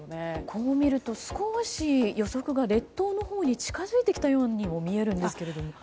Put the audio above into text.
こう見ると少し予測が列島のほうに近づいてきたようにも見えるんですけれども。